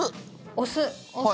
お酢。